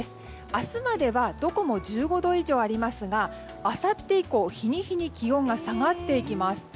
明日まではどこも１５度以上ありますがあさって以降、日に日に気温が下がっていきます。